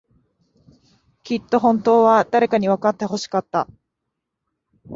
きっと、本当は、誰かにわかってほしかった。